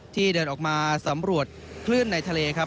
เดินออกมาสำรวจคลื่นในทะเลครับ